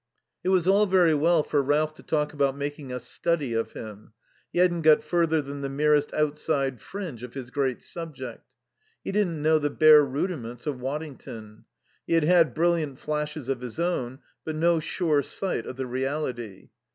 It was all very well for Ralph to talk about making a "study" of him; he hadn't got further than the merest outside fringe of his great subject. He didn't know the bare rudiments of Waddington. He had had brilliant flashes of his own, but no sure sight of the reality.